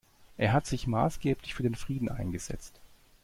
Er hat sich maßgeblich für den Frieden eingesetzt.